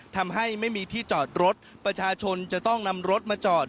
ทำให้ไม่มีที่จอดรถประชาชนจะต้องนำรถมาจอด